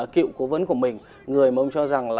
cựu cố vấn của mình người mà ông cho rằng là